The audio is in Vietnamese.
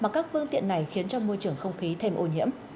mà các phương tiện này khiến cho môi trường không khí thêm ô nhiễm